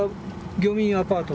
漁民アパート？